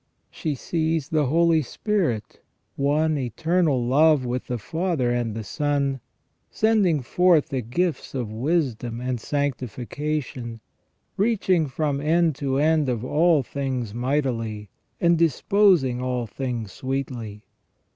She sees the Holy Spirit, one eternal love with the Father and the Son, sending forth the gifts of wisdom and sanctification, reaching from end to end of all things mightily, and disposing all things sweetly.